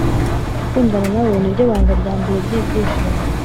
“gukundana nawe ni ryo banga rya mbere ry'ibyishimo.”